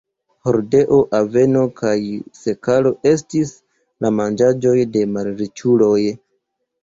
Hordeo, aveno kaj sekalo estis la manĝaĵoj de malriĉuloj.